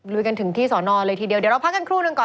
กันถึงที่สอนอเลยทีเดียวเดี๋ยวเราพักกันครู่หนึ่งก่อน